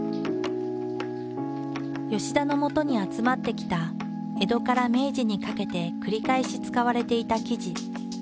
田のもとに集まってきた江戸から明治にかけて繰り返し使われていた生地。